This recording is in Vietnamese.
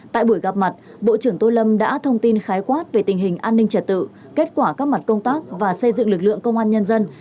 tại buổi gặp mặt bộ trưởng tô lâm đã thông tin khái quát về tình hình an ninh trật tự kết quả các mặt công tác và xây dựng lực lượng công an nhân dân